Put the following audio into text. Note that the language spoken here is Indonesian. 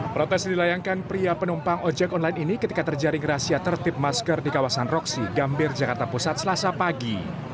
protes dilayangkan pria penumpang ojek online ini ketika terjaring rahasia tertip masker di kawasan roksi gambir jakarta pusat selasa pagi